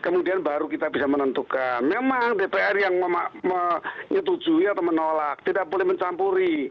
kemudian baru kita bisa menentukan memang dpr yang menyetujui atau menolak tidak boleh mencampuri